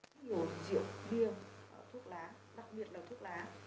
nhiều rượu biêng thuốc lá đặc biệt là thuốc lá